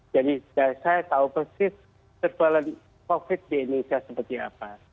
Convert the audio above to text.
jadi saya tahu persis kecuali covid di indonesia seperti apa